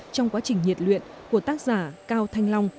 trong quá trình nhiệt luyện của tác giả cao thanh long